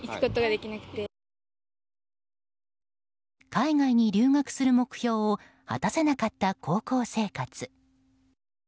海外に留学する目標を果たせなかった高校生活。